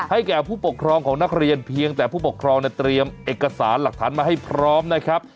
แก่ผู้ปกครองของนักเรียนเพียงแต่ผู้ปกครองเตรียมเอกสารหลักฐานมาให้พร้อมนะครับ